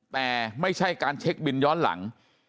แต่ไม่ใช่การเช็คบินย้อนหลัง